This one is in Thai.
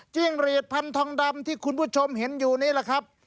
จิ้งหลีดพันธุ์ทองดำที่คุณผู้ชมเห็นอยู่นี้นะครับ